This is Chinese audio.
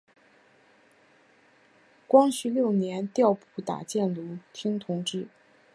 光绪六年调补打箭炉厅同知。